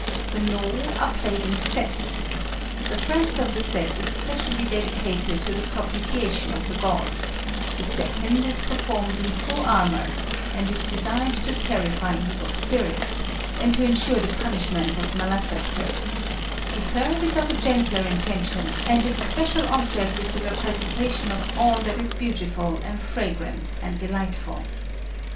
The Nô are played in sets. The first of the set is specially dedicated to the propitiation of the gods; the second is performed in full armour, and is designed to terrify evil spirits, and to insure the punishment of malefactors; the third is of a gentler intention, and its special object is the representation of all that is beautiful and fragrant and delightful.